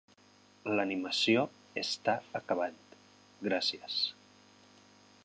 L'animació està acabant, gràcies.